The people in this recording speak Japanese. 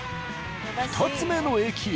２つ目の駅へ。